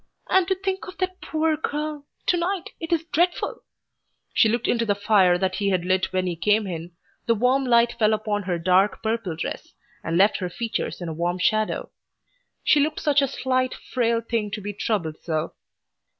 "And to think of that poor girl tonight! It's dreadful." She looked into the fire that she had lit when he came in, the warm light fell upon her dark purple dress, and left her features in a warm shadow. She looked such a slight, frail thing to be troubled so.